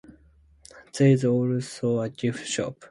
There is also a gift shop.